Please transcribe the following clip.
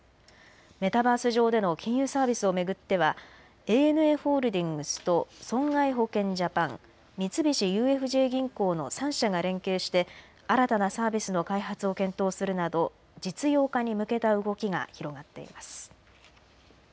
メタバース上での金融サービスを巡ってはＡＮＡホールディングスと損害保険ジャパン、三菱ＵＦＪ銀行の３社が連携して新たなサービスの開発を検討するなど実用化に向けた動きが広がっています。